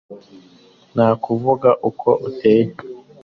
Nakuvuga uko uteye